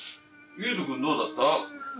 悠人くんどうだった？